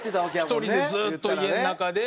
１人でずっと家の中で。